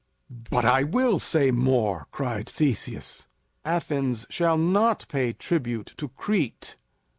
"But I will say more," cried Theseus. "Athens shall not pay tribute to Crete.